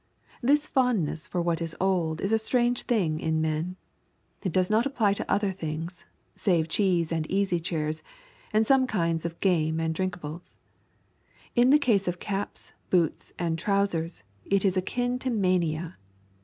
This fondness for what is old is a strange thing in men. It does not apply to other things save cheese and easy chairs and some kinds of game and drinkables. In the case of caps, boots, and trousers it is akin to mania.